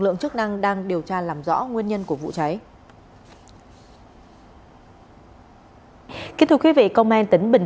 lượng chức năng đang điều tra làm rõ nguyên nhân của vụ cháy thưa quý vị công an tỉnh bình